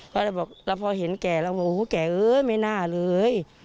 เพราะว่าเราพอเห็นแกแล้วโอ้โฮแกไม่น่าเลย